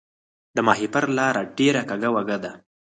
د ماهیپر لاره ډیره کږه وږه ده